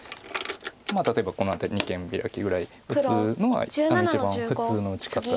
例えばこの辺り二間ビラキぐらい打つのは一番普通の打ち方です。